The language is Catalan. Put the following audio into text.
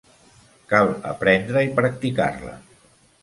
Cal aprendre i practicar-la.